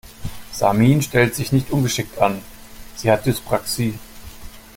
Samin stellt sich nicht ungeschickt an, sie hat Dyspraxie.